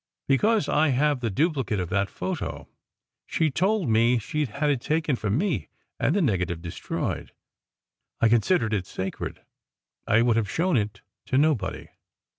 Because I have the dupli cate of that photo. She told me she d had it taken for me, and the negative destroyed. I considered it sacred. I would have shown it to nobody."